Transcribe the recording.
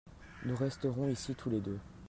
Nous resterons ici tous les deux.